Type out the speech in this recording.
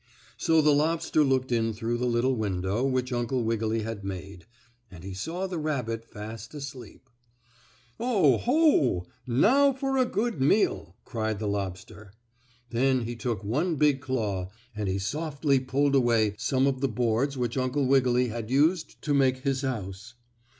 So the lobster looked in through the little window which Uncle Wiggily had made, and he saw the rabbit fast asleep. "Oh, ho! Now for a good meal!" cried the lobster. Then he took one big claw and he softly pulled away some of the boards which Uncle Wiggily had used to make his house.